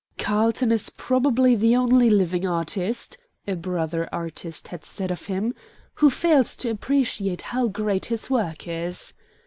"Carlton is probably the only living artist," a brother artist had said of him, "who fails to appreciate how great his work is."